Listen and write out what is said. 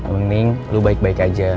mending lu baik baik aja